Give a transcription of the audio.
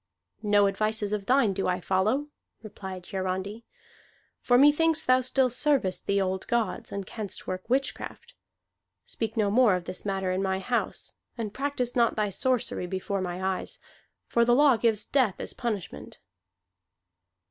"No advices of thine do I follow," replied Hiarandi. "For methinks thou still servest the old gods, and canst work witchcraft. Speak no more of this matter in my house; and practise not thy sorcery before my eyes, for the law gives death as punishment."